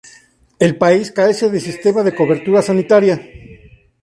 El país carece de sistema de cobertura sanitaria.